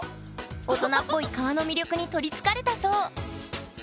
大人っぽい革の魅力に取りつかれたそう